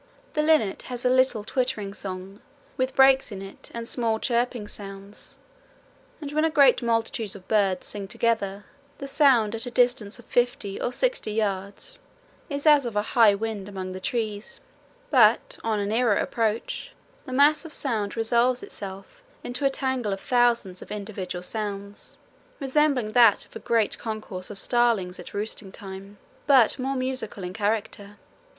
The linnet has a little twittering song with breaks in it and small chirping sounds, and when a great multitude of birds sing together the sound at a distance of fifty or sixty yards is as of a high wind among the trees, but on a nearer approach the mass of sound resolves itself into a tangle of thousands of individual sounds, resembling that of a great concourse of starlings at roosting time, but more musical in character.